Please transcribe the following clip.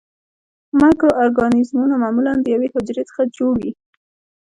مایکرو ارګانیزمونه معمولاً د یوې حجرې څخه جوړ وي.